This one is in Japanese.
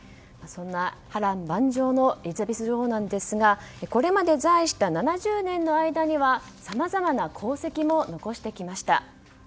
そんな波乱万丈のエリザベス女王ですがこれまで在位した７０年の間にはさまざまな功績も残してきました。